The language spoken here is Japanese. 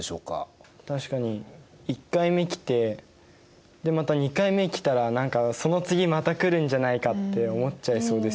確かに１回目来てまた２回目来たら何かその次また来るんじゃないかって思っちゃいそうですよね。